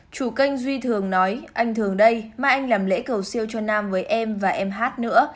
chủ kênh duy thường nói anh thường đây mai anh làm lễ cầu siêu cho nam với em và em hát nữa